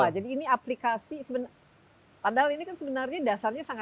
jadi ini aplikasi padahal ini kan sebenarnya dasarnya sangat ilmiah ya fisika